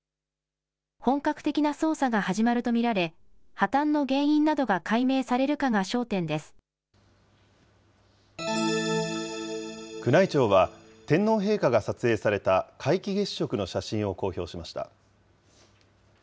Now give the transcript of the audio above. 本格的な捜査が始まると見られ、破綻の原因などが解明されるかが宮内庁は、天皇陛下が撮影された皆既月食の写真を公表しました。